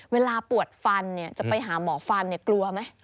เวลาปวดฟันจะไปหาหมอฟันกลัวไหม